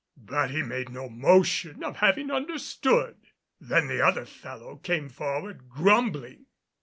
But he made no motion of having understood. Then the other fellow came forward grumbling.